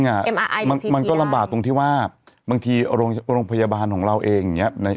มันก็ลำบากตรงที่ว่าบางทีโรงพยาบาลของเราเองอย่างนี้